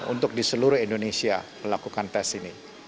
untuk di seluruh indonesia melakukan tes ini